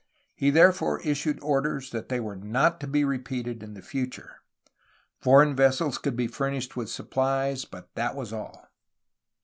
He therefore issued orders that they were not to be repeated in future. Foreign vessels could be furnished with supplies, but that was all.